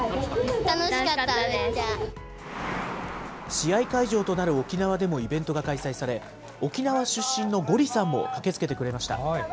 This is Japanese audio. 試合会場となる沖縄でもイベントが開催され、沖縄出身のゴリさんも駆けつけてくれました。